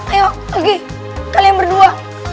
ayo lagi kalian berdua